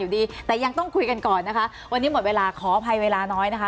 ดีแต่ยังต้องคุยกันก่อนนะคะวันนี้หมดเวลาขออภัยเวลาน้อยนะคะ